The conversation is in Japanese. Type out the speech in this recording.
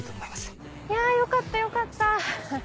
いやよかったよかった！